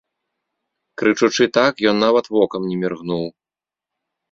Крычучы так, ён нават вокам не міргнуў.